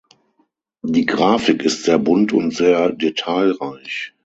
Die Grafik ist sehr bunt und sehr detailreich.